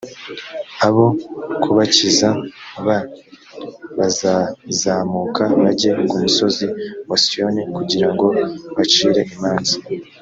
abo kubakiza b bazazamuka bajye ku musozi wa siyoni kugira ngo bacire imanza